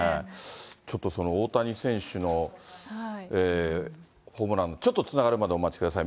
ちょっと大谷選手のホームラン、ちょっとつながるまでお待ちください。